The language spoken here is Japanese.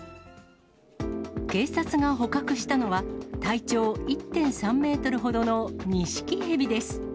警察が捕獲したのは、体長１．３メートルほどのニシキヘビです。